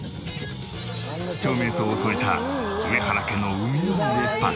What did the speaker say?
長命草を添えた上原家の海の上パスタ。